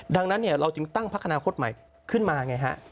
ดังนั้นเราจึงตั้งพักอนาคตใหม่ขึ้นมาไงฮะ